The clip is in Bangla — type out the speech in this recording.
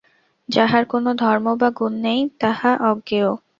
যাহার কোন ধর্ম বা গুণ নাই, তাহা অজ্ঞেয়।